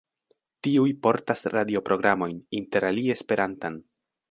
Tiuj portas radioprogramojn, interalie Esperantan.